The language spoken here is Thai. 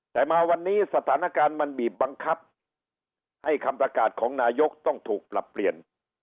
แต่มาวันนี้สถานการณ์มันบีบบังคับให้คำประกาศของนายกต้องถูกปรับเปลี่ยน